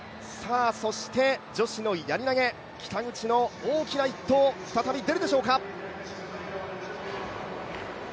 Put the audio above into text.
そして女子のやり投げ、北口の大きな一投、再び出るでしょうか？